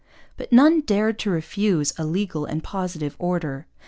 But none dared to refuse a legal and positive order.